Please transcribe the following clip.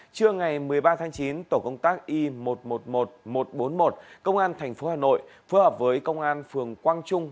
trưa ngày một mươi ba tháng chín tổ công tác y một trăm một mươi một nghìn một trăm bốn mươi một công an tp hà nội phối hợp với công an phường quang trung